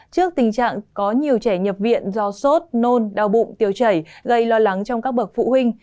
trước tình trạng có nhiều trẻ nhập viện do sốt nôn đau bụng tiêu chảy gây lo lắng trong các bậc phụ huynh